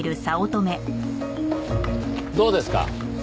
どうですか？